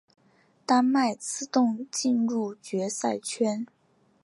丹麦自动进入决赛圈。